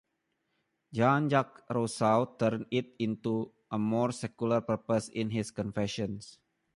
Jean-Jacques Rousseau turned it to a more secular purpose in his "Confessions".